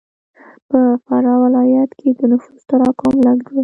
په فراه ولایت کښې د نفوس تراکم لږ دی.